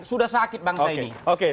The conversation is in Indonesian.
sudah sakit bangsa ini